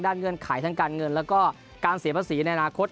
เงื่อนไขทางการเงินแล้วก็การเสียภาษีในอนาคต